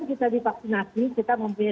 kita divaksinasi kita mempunyai